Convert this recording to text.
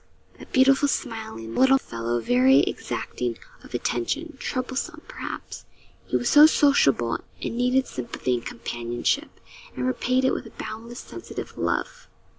A beautiful smiling little fellow, very exacting of attention troublesome, perhaps; he was so sociable, and needed sympathy and companionship, and repaid it with a boundless, sensitive love.